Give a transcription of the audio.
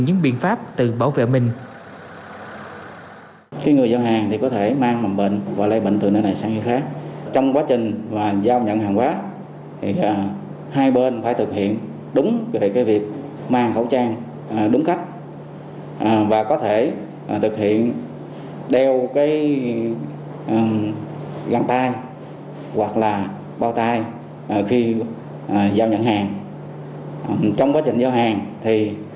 những biện pháp từ bảo vệ mình